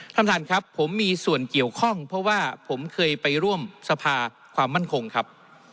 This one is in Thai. ท่านท่านครับผมมีส่วนเกี่ยวข้องเพราะว่าผมเคยไปร่วมสภาความมั่นคงครับ